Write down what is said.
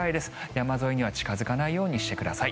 山沿いには近付かないようにしてください。